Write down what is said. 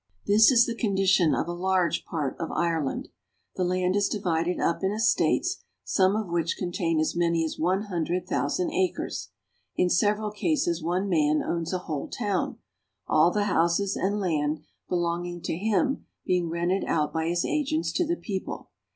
This is the condition of a large part of Ireland. The land is divided up into estates, some of which contain as many as one hundred thousand acres. In several cases one man owns a whole town, all the houses and land belong ing to him being rented out by his agents to the people.